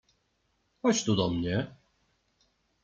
— Chodź tu do mnie.